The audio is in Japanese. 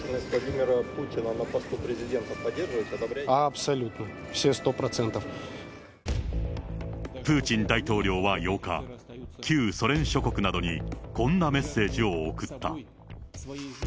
プーチン大統領は８日、旧ソ連諸国などにこんなメッセージを送った。